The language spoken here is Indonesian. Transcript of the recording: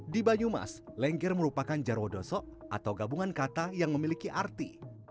di banyumas lengger merupakan jarwodoso atau gabungan kata yang memiliki arti